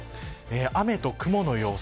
雨と雲の様子。